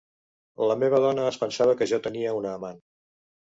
La meva dona es pensava que jo tenia una amant.